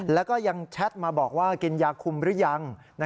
แล้วก็ยังแชทมาบอกว่ากินยาคุมหรือยัง